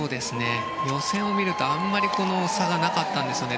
予選を見るとあまり差がなかったんですよね。